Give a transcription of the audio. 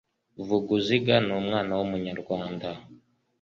vuguziga ni umwana w'umunyarwanda